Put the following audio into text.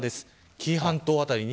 紀伊半島辺りに。